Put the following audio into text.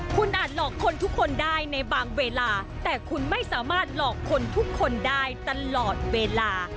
คุณอาจหลอกคนทุกคนได้ในบางเวลาแต่คุณไม่สามารถหลอกคนทุกคนได้ตลอดเวลา